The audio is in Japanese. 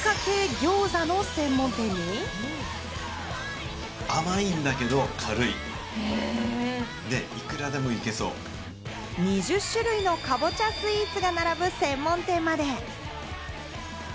ギョーザの専門店に、２０種類のカボチャスイーツが並ぶ専門店まで！